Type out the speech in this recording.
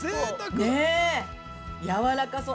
◆ねー、やわらかそう。